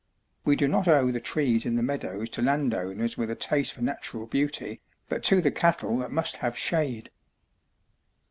We do not owe the trees in the meadows to landowners with a taste for natural beauty, but to the cattle that must have shade.